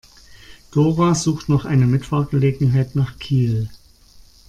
Dora sucht noch eine Mitfahrgelegenheit nach Kiel.